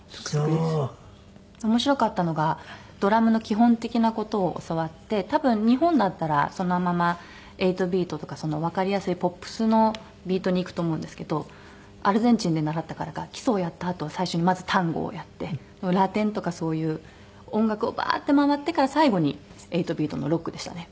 面白かったのがドラムの基本的な事を教わって多分日本だったらそのまま８ビートとかわかりやすいポップスのビートにいくと思うんですけどアルゼンチンで習ったからか基礎をやったあとは最初にまずタンゴをやってラテンとかそういう音楽をバーッて回ってから最後に８ビートのロックでしたね。